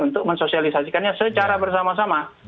untuk mensosialisasikannya secara bersama sama